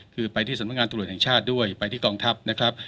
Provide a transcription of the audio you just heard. คือไปที่สำนักงานตรวจแห่งชาติด้วยไปที่กองทัพนะครับ